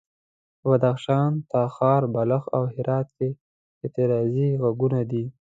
په بدخشان، تخار، بلخ او هرات کې اعتراضي غږونه دي.